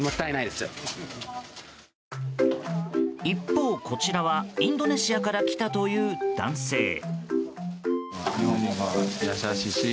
一方、こちらはインドネシアから来たという男性。